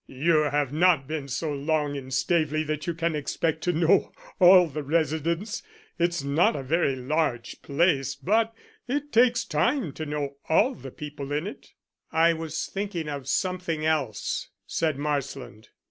"You have not been so long in Staveley that you can expect to know all the residents. It's not a very large place, but it takes time to know all the people in it." "I was thinking of something else," said Marsland.